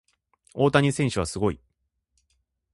大谷選手はすごい。